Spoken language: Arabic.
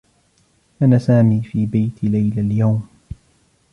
كان سامي في بيت ليلى اليوم.